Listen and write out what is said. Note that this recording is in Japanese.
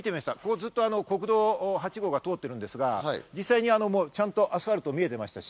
ずっと国道８号が通ってるんですが実際アスファルトが見えていました。